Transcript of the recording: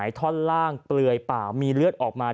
จนกระทั่งบ่าย๓โมงก็ไม่เห็นออกมา